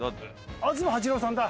東八郎さんだ。